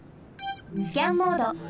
スキャンモード。